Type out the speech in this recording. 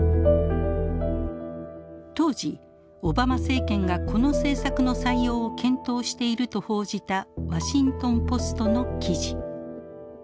当時オバマ政権がこの政策の採用を検討していると報じたワシントンポストの記事。